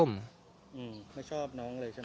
ไม่ชอบน้องเลยใช่ไหม